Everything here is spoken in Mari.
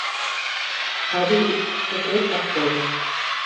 Авий... шукертак колен.